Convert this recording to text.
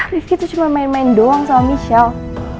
rifki tuh cuma main main doang sama michelle